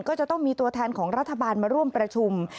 ก็จะต้องมีตัวแทนของรัฐบาลมาร่วมประชุม